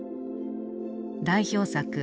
代表作